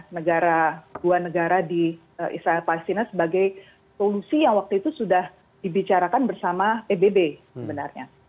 dua negara di israel palestina sebagai solusi yang waktu itu sudah dibicarakan bersama pbb sebenarnya